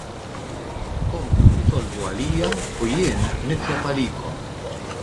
Komplu itolbu għalija u jien nitlob għalikom.